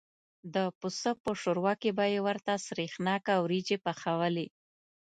د پسه په شوروا کې به یې ورته سرېښناکه وریجې پخوالې.